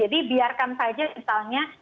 jadi biarkan saja misalnya